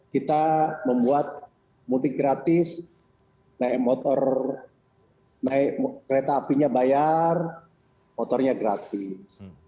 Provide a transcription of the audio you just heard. kita membuat mudik gratis naik motor naik kereta apinya bayar motornya gratis